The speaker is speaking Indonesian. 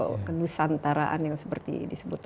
atau ke nusantaraan yang seperti disebut tadi